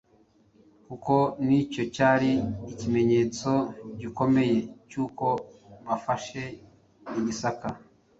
kuko n’icyo cyari ikimenyetso gikomeye cy’uko bafashe i Gisaka.